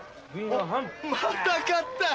また勝ったぜ。